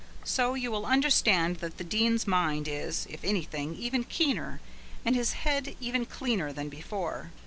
So you will understand that the Dean's mind is, if anything, even keener, and his head even clearer than before.